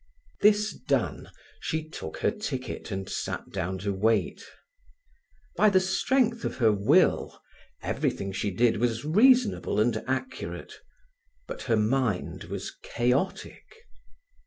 This done, she took her ticket and sat down to wait. By the strength of her will everything she did was reasonable and accurate. But her mind was chaotic.